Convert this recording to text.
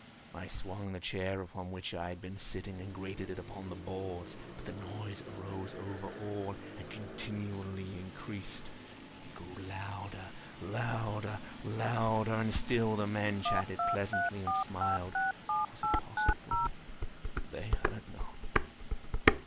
I swung the chair upon which I had been sitting, and grated it upon the boards, but the noise arose over all and continually increased. It grew louder—louder—louder! And still the men chatted pleasantly, and smiled. Was it possible they heard not?